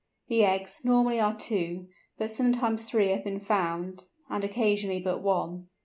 The eggs, normally, are two, but sometimes three have been found, and occasionally but one.